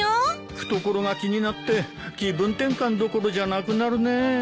懐が気になって気分転換どころじゃなくなるね。